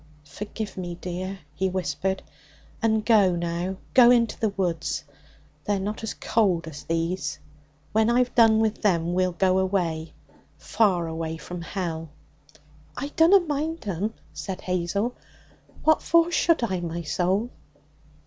'Forgive me, dear!' he whispered. 'And go, now, go into the woods; they're not as cold as these. When I've done with them we'll go away, far away from hell.' 'I dunna mind 'em,' said Hazel. 'What for should I, my soul?'